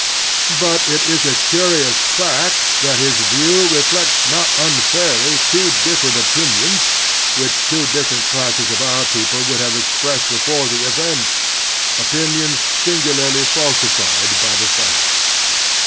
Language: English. But it is a curious fact that his view reflects not XX x6x i62 The Strenuous Life tinfairly two different opinions, which two different classes of our people wotild have expressed before the event — opinions singularly falsified by the fact.